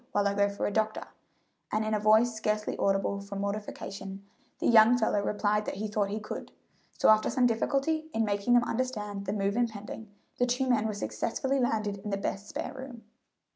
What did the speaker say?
while I go for the doctor;" and in a voice scarcely audible from mortification the young fellow replied that he thought he could; so after some difficulty in making them understand the move impending, the two men were successfully landed in the best spare room.